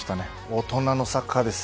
大人のサッカーです。